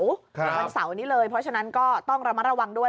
ในวันเสาร์นี้เลยเพราะฉะนั้นก็ต้องระมัดระวังด้วย